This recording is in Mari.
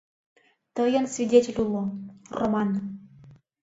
Тыйын свидетель уло — Роман.